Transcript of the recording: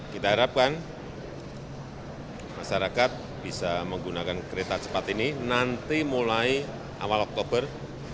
kita harapkan masyarakat bisa menggunakan kereta cepat ini nanti mulai awal oktober